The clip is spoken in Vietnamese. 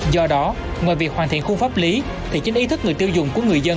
do đó ngoài việc hoàn thiện khung pháp lý thì chính ý thức người tiêu dùng của người dân